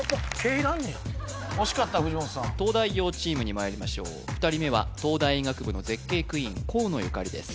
いらんのや惜しかった藤本さん東大王チームにまいりましょう２人目は東大医学部の絶景クイーン河野ゆかりです